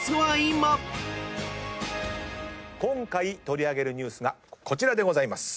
今回取り上げるニュースがこちらでございます。